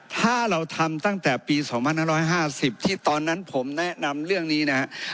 ถ้าเราทำตั้งแต่ปี๒๕๕๐ที่ตอนนั้นผมแนะนำเรื่องนี้นะครับ